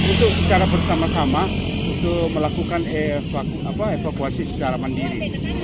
untuk secara bersama sama untuk melakukan evakuasi secara mandiri